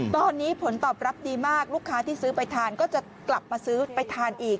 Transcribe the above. ตอนนี้ผลตอบรับดีมากลูกค้าที่ซื้อไปทานก็จะกลับมาซื้อไปทานอีก